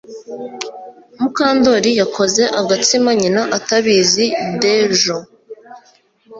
Mukandoli yakoze agatsima nyina atabizi Dejo